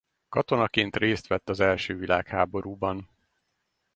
Katonaként részt vett az első világháborúban.